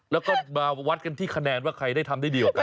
แล้วก็มาวัดกันที่คะแนนว่าใครได้ทำได้ดีกว่ากัน